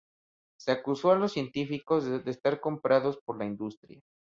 Se acusó a los científicos de estar comprados por la industria.